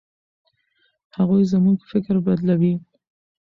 هغوی زموږ فکر بدلوي.